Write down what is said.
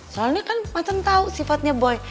soalnya kan macan tahu sifatnya boy